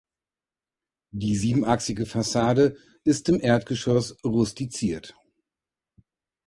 Die siebenachsige Fassade ist im Erdgeschoss rustiziert.